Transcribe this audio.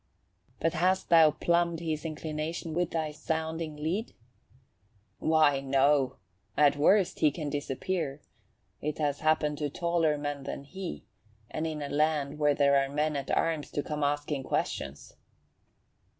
"But hast thou plumbed his inclination with thy sounding lead?" "Why, no. At worst, he can disappear. It has happened to taller men than he, and in a land where there are men at arms to come asking questions."